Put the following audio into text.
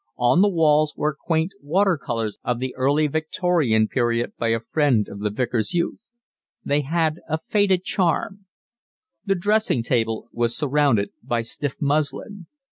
On the walls were quaint water colours of the early Victorian period by a friend of the Vicar's youth. They had a faded charm. The dressing table was surrounded by stiff muslin.